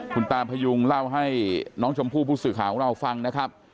คุณตาพยุงเล่าให้น้องชมพู่ผู้สื่อข่าวของเราฟังนะครับ